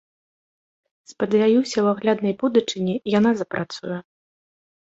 Спадзяюся, у агляднай будучыні яна запрацуе.